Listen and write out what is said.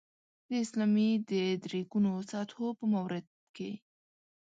د اسلام د درې ګونو سطحو په مورد کې.